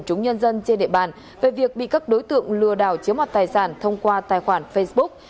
chúng nhân dân trên địa bàn về việc bị các đối tượng lừa đảo chiếm hoạt tài sản thông qua tài khoản facebook